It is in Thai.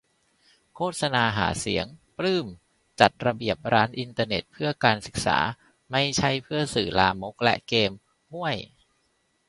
โฆษณาหาเสียง-ปลื้ม :"จัดระเบียบ ร้านอินเทอร์เน็ต เพื่อการศึกษา ไม่ใช่เพื่อสื่อลามกและเกมส์" - ฮ่วย !